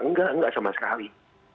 enggak enggak sama sekali